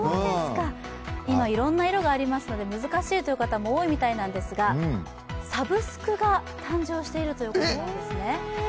今、いろんな色がありますので難しいという方、多いみたいなんですがサブスクが誕生しているということなんですね。